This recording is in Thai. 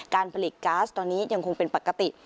การผลิตก๊าซตอนนี้ยังคงเป็นปกติ